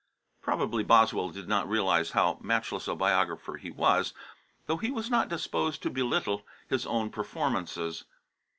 Probably Boswell did not realise how matchless a biographer he was, though he was not disposed to belittle his own performances.